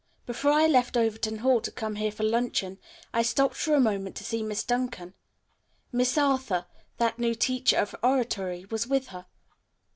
Before I left Overton Hall to come here for luncheon I stopped for a moment to see Miss Duncan. Miss Arthur, that new teacher of oratory, was with her.